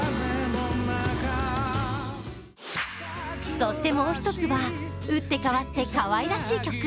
そして、もうひとつは打って変わってかわいらしい曲。